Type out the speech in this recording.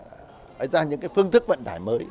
vậy thì chúng ta không tạo ra những cái phương thức vận tải mới